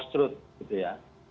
post truth gitu ya